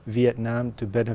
việt nam có thể